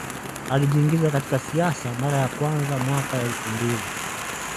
Alijiingiza katika siasa mara ya kwanza mwaka elfu mbili